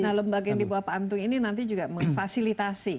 nah lembaga yang dibawa pak antung ini nanti juga memfasilitasi